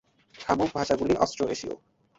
খমুক ভাষাগুলি অস্ট্রো-এশীয়।